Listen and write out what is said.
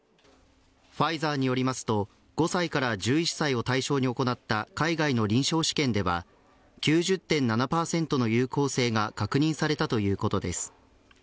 ファイザーによりますと５歳から１１歳を対象に行った海外の臨床試験では９０．７％の有効性が確認されたということです。